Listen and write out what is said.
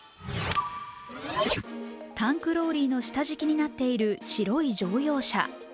タンクローリーの下敷きになっている白い乗用車。